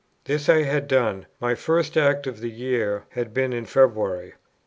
This I had done; my first act of the year had been in February.